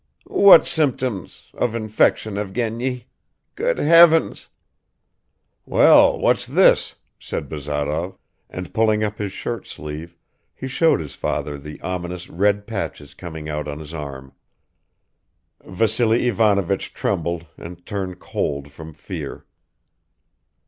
"What symptoms ... of infection, Evgeny? ... Good heavens!" "Well, what's this?" said Bazarov, and pulling up his shirt sleeve he showed his father the ominous red patches coming out on his arm. Vassily Ivanovich trembled and turned cold from fear.